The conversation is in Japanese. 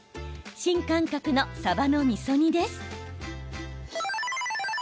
新感覚のさばのみそ煮です。